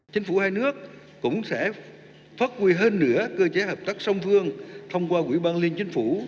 chính phủ hai nước cũng sẽ phát huy hơn nữa cơ chế hợp tác song phương thông qua quỹ ban liên chính phủ